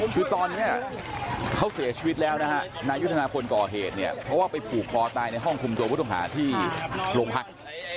คือตอนนี้เขาเสียชีวิตแล้วนะฮะนายุทธนาพลก่อเหตุเนี่ยเพราะว่าไปผูกคอตายในห้องคุมตัวผู้ต้องหาที่โรงพัก